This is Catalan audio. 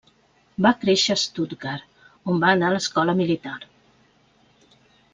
Va créixer a Stuttgart, on va anar a l'Escola Militar.